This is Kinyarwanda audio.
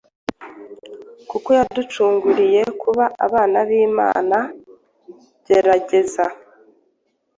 kuko yaducunguriye kuba abana b’Imana! Gerageza